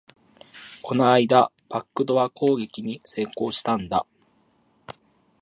この間、バックドア攻撃に成功したんだ